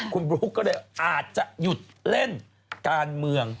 คุณบลุ๊กก็เลยอาจจะหยุดเล่นการเมือง